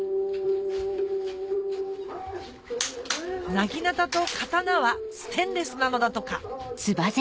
なぎなたと刀はステンレスなのだとか